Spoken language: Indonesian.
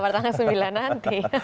pada tanggal sembilan nanti